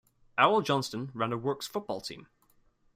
Arrol-Johnston ran a works football team.